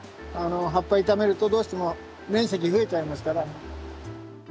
葉っぱ傷めるとどうしても面積増えちゃいますから。